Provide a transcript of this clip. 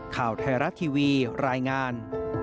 ข่าวไทยรัฐทีวีรายงาน